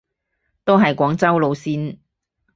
都係廣州路線